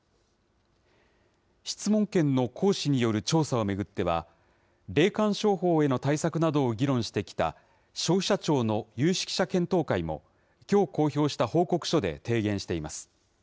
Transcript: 質問権の行使による調査を巡っては、霊感商法への対策などを議論してきた消費者庁の有識者検討会も、きょう公表した報告書で提言しています。